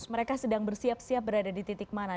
mereka sedang bersiap siap berada di titik mana